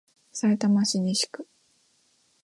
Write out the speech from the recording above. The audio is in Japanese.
さいたま市西区